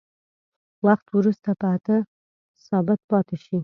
وخت وروسته په اته ثابت پاتې شي.